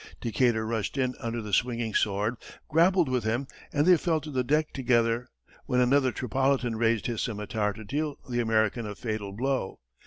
Decatur rushed in under the swinging sword, grappled with him, and they fell to the deck together, when another Tripolitan raised his scimitar to deal the American a fatal blow.